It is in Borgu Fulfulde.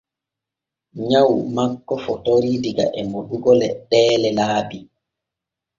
Nyaw makko fotorii diga moɗugo leɗɗeelee laabi.